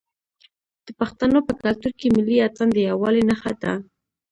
د پښتنو په کلتور کې ملي اتن د یووالي نښه ده.